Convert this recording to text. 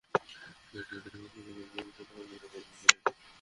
হেঁটে হেঁটে যখন সানের কাছে পৌঁছাই, তখন সূর্য একেবারে মাথার ওপরে।